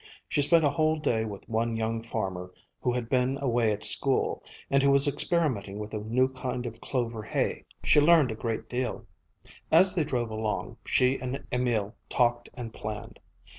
She spent a whole day with one young farmer who had been away at school, and who was experimenting with a new kind of clover hay. She learned a great deal. As they drove along, she and Emil talked and planned.